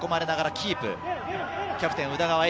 キャプテンの宇田川瑛